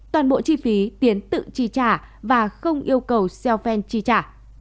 toàn bộ chi phí tiến tự chi trả và không yêu cầu xiao fan chi trả